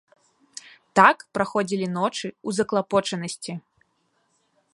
Так праходзілі ночы ў заклапочанасці.